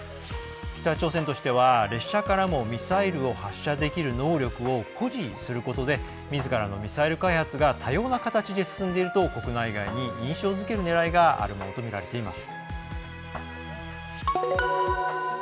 北朝鮮としては、列車からもミサイルを発射できる能力を誇示することでみずからのミサイル開発が多様な形で進んでいると国内外に印象づけるねらいがあるものとみられています。